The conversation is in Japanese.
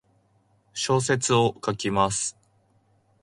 小説を書きます。